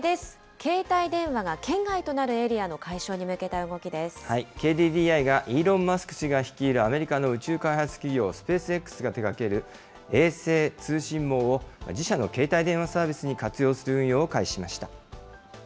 携帯電話が圏外となるエリアの解ＫＤＤＩは、イーロン・マスク氏が率いるアメリカの宇宙開発企業、スペースＸが手がける衛星通信網を、自社の携帯電話サービスに活用する運用を開始しました。